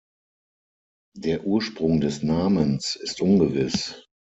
Der Ursprung des Namens ist ungewiss.